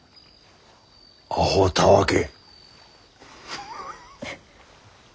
あほたわけ。